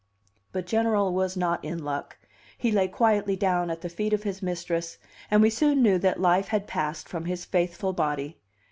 But General was not in luck. He lay quietly down at the feet of his mistress and we soon knew that life had passed from his faithful body.